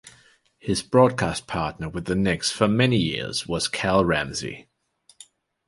His broadcast partner with the Knicks for many years was Cal Ramsey.